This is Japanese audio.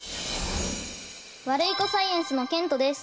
ワルイコサイエンスのけんとです。